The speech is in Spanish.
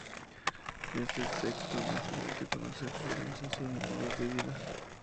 Este texto nos permite conocer su organización y modos de vida.